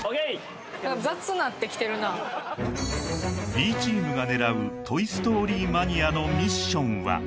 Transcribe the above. Ｂチームが狙うトイ・ストーリー・マニア！のミッションは？